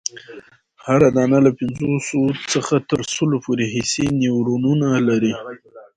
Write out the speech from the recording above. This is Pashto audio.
هره دانه له پنځوسو څخه تر سلو پوري حسي نیورونونه لري.